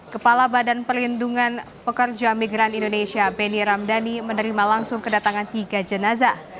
kepala badan pelindungan pekerja migran indonesia benny ramdhani menerima langsung kedatangan tiga jenazah